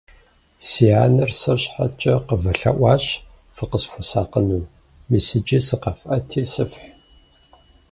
Си анэр сэр щхьэкӀэ къывэлъэӀуащ, фыкъысхуэсакъыну. Мис иджы сыкъэфӀэти сыфхь.